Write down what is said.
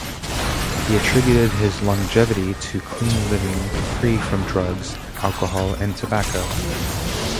He attributed his longevity to clean living free from drugs, alcohol, and tobacco.